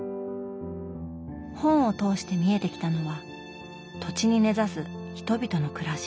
本を通して見えてきたのは土地に根ざす人々の暮らし。